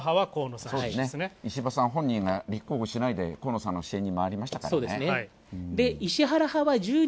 石破さん本人が立候補しないで河野さんの支援に回りましたと。